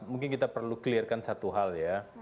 mungkin kita perlu clearkan satu hal ya